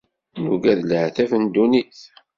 Nugad leɛtab n ddunit.